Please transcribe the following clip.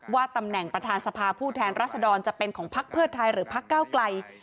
ว่าตำแหน่งประธานสภาผู้แทนรัศดรจะเป็นของพักเพื่อไทยหรือพักเก้าไกล